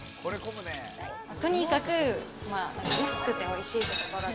とにかく、安くておいしいところが。